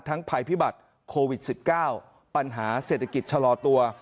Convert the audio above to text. ภัยพิบัติโควิด๑๙ปัญหาเศรษฐกิจชะลอตัว